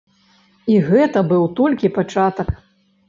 І гэта быў толькі пачатак.